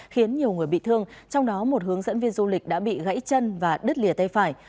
khiến nhiều người bị thương trong đó một hướng dẫn viên du lịch đã bị gãy chân và đứt lìa tay phải